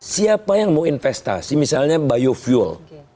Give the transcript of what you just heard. siapa yang mau investasi misalnya biofuel